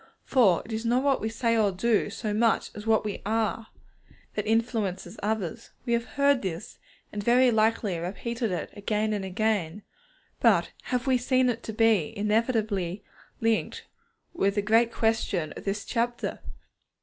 For it is not what we say or do, so much as what we are, that influences others. We have heard this, and very likely repeated it again and again, but have we seen it to be inevitably linked with the great question of this chapter?